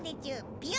ぴよ。